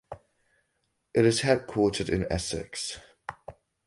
It is headquartered in Essex.